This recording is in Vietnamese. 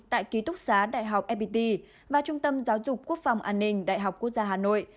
tại ký túc xá đại học fpt và trung tâm giáo dục quốc phòng an ninh đại học quốc gia hà nội